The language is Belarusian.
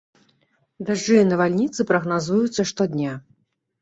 Дажджы і навальніцы прагназуюцца штодня.